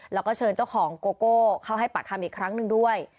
แล้วก็เชิญเจ้าของโกโก้เข้าให้ปากคำอีกครั้งหนึ่งด้วย